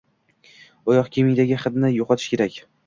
Oyoq kiyimdagi hidni yo'qotish kerak.